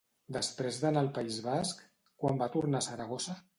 Després d'anar al País Basc, quan va tornar a Saragossa?